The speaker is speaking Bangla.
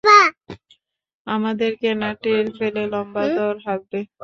আমাদের কেনা টের পেলে লম্বা দর হাঁকবে।